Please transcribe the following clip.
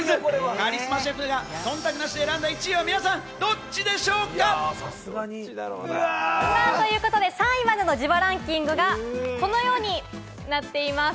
カリスマシェフが忖度なしで選んだ１位は皆さん、どっちでしょうか？ということで３位までの自腹ンキングがこのようになりました。